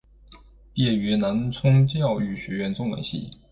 毕业于南充教育学院中文系。